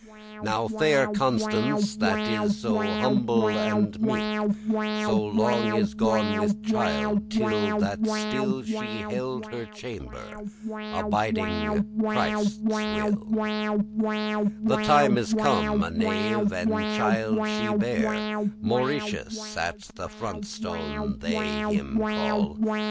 Now fair Constance, that is so humble and meek, So long is gone with childe till that still She held her chamb'r, abiding Christe's will The time is come, a knave child she bare; Mauricius at the font stone they him call.